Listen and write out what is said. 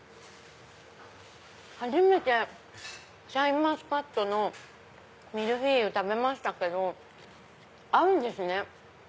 初めてシャインマスカットのミルフィーユ食べましたけど合うんですね。